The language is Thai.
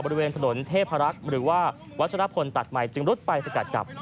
บริเวณถนนเทพรักษ์หรือว่าวัชรพลตัดใหม่จึงรุดไปสกัดจับ